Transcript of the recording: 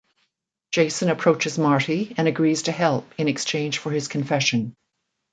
Jason approaches Marty and agrees to help in exchange for his confession.